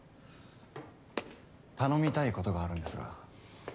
頼みたいことがあるんですが。